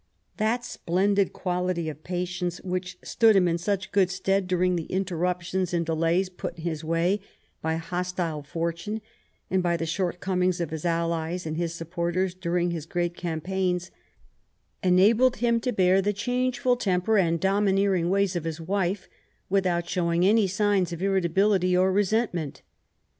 That splendid quality of patience which stood him in such good stead during the interruptions and 55 THE REIGN OF QUEEN ANNE delays put in his way by hostile fortune, and by the shortcomings of his allies and his supporters during his great campaigns, enabled him to bear the changeful temper and domineering ways of his wife without showing any sign of irritability or resentment.